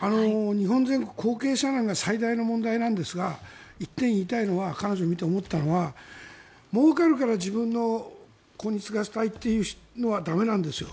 日本全国、後継者難が最大の問題なんですが１点言いたいのは彼女を見て思ったのはもうかるから自分の子に継がせたいというのは駄目なんです。